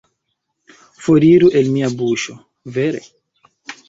Foriru el mia buŝo, vere!